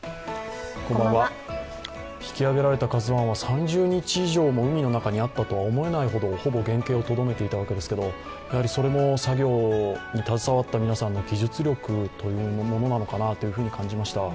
引き揚げられた「ＫＡＺＵⅠ」は３０日以上も海の中にあったと思えないほど、ほぼ原形をとどめていたわけですが、それも作業に携わった皆さんの技術力というものなのかなと感じました。